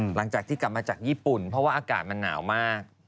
หลังจากที่กลับมาจากญี่ปุ่นเพราะว่าอากาศมันหนาวมาก